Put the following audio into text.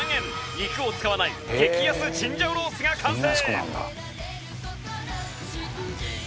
肉を使わない激安チンジャオロースが完成。